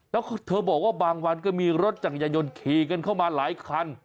แล้วเธอบอกว่าบางวันก็มีรถจักรยายนขี่กันเข้ามาหลายคัน